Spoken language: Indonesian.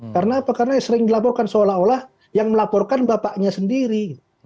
karena apa karena sering dilaporkan seolah olah yang melaporkan bapaknya sendiri